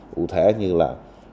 cụ thể như là